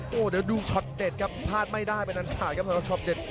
โหเดี๋ยวดูฉอตเด็ดครับพลาดไม่ได้บ้างนั้นสักคราบครับ